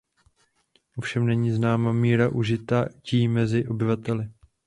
Ovšem není známa míra užití mezi obyvateli.